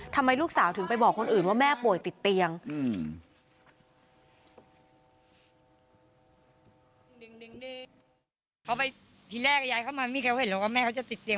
ทำไมลูกสาวถึงไปบอกคนอื่นว่าแม่ป่วยติดเตียง